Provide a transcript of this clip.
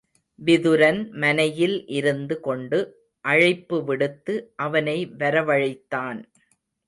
விதுரன் மனையில் இருந்து கொண்டு அழைப்பு விடுத்து அவனை வரவழைத்தான்.